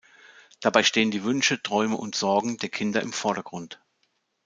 Dabei stehen die Wünsche, Träume und Sorgen der Kinder im Vordergrund.